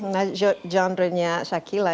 nah genre nya shakila